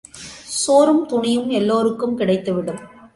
சோறும் துணியும் எல்லோருக்கும் கிடைத்துவிடும்.